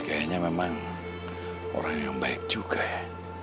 kayaknya memang orang yang baik juga ya